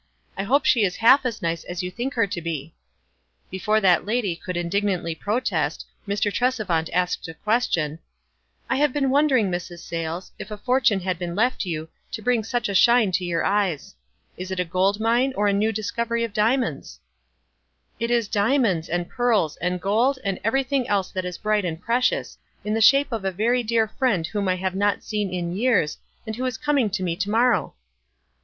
"I hope she is half as nice as you think her to be." Before that lady could indignantly protest, Mr. Tresevant asked a question, — "I have been wondering, Mrs. Sayles, if a fortune had been left you, to bring such a shine to your eyes. Is it a gold mine, or a new dis covery of diamonds ?" "It is diamonds, and pearls, and gold, and everything else that is bright and precious, in the shape of a very dear friend whom I have not seen in years, and who is coming to me to morrow."